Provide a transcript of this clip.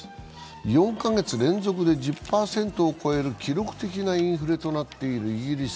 ４か月連続で１０％を超える記録的なインフレとなっているイギリス。